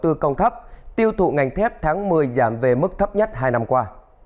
tư công thấp tiêu thụ ngành thép tháng một mươi giảm về mức thấp nhất hai năm qua